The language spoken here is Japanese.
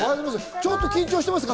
ちょっと緊張してますか？